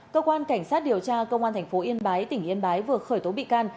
cơ quan cảnh sát điều tra công an tp yên bái tỉnh yên bái vừa khởi tố bị can